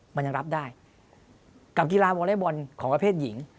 มันยังรับได้กับกีฬาวอเล็กบอลของประเภทหญิง